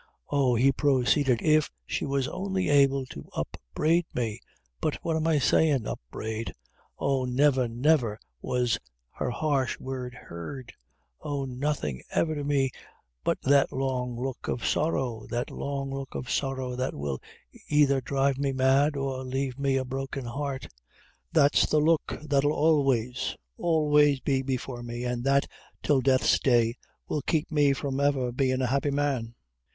"Oh," he proceeded, "if she was only able to upbraid me but what am I sayin' upbraid! Oh, never, never was her harsh word heard oh, nothing ever to me but that long look of sorrow that long look of sorrow, that will either drive me mad, or lave me a broken heart! That's the look that'll always, always be before me, an' that, 'till death's day, will keep me from ever bein' a happy man."